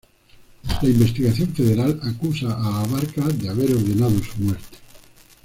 La investigación federal acusa a Abarca de haber ordenado su muerte.